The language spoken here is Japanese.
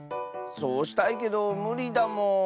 そうしたいけどむりだもん。